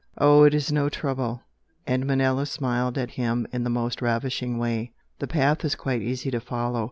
"Oh, it is no trouble!" and Manella smiled at him in the most ravishing way "The path is quite easy to follow."